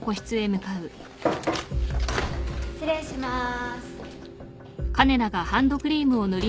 失礼します。